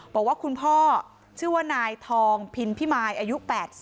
บอกว่าคุณพ่อชื่อว่านายทองพินพิมายอายุ๘๐